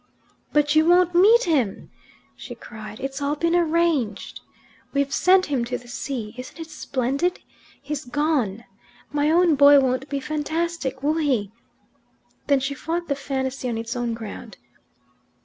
"But you won't meet him!" she cried. "It's all been arranged. We've sent him to the sea. Isn't it splendid? He's gone. My own boy won't be fantastic, will he?" Then she fought the fantasy on its own ground.